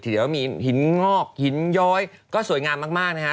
เดี๋ยวมีหินงอกหินย้อยก็สวยงามมากนะฮะ